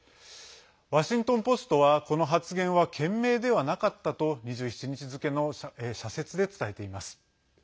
ワシントンポストはこの発言は懸命ではなかったと２７日付けの社説で伝えています。